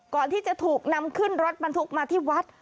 ก่อนที่จะถูกนำขึ้นรถบรรทุกมาที่วัด